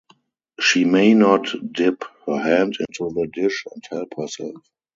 She may not dip her hand into the dish and help herself.